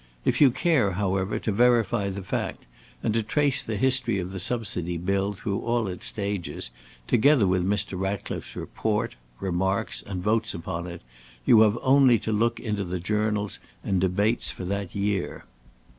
If you care, however, to verify the fact, and to trace the history of the Subsidy Bill through all its stages, together with Mr. Ratcliffe's report, remarks, and votes upon it, you have only to look into the journals and debates for that year.